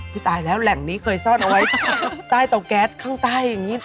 ตายแล้วแหล่งนี้เคยซ่อนเอาไว้ใต้เตาแก๊สข้างใต้อย่างนี้